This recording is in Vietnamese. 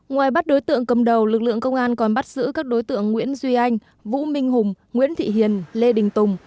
ngoài bắt đối tượng cầm đầu lực lượng công an còn bắt giữ các đối tượng nguyễn duy anh vũ minh hùng nguyễn thị hiền lê đình tùng